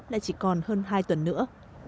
đã chỉ còn hơn hai tuần nữa